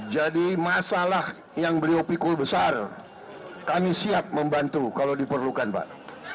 jadi masalah yang beliau pikul besar kami siap membantu kalau diperlukan pak